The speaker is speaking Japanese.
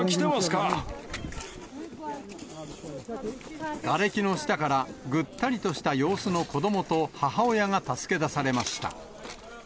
がれきの下からぐったりとした様子の子どもと母親が助け出されました。